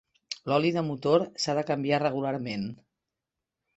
L'oli de motor s'ha de canviar regularment.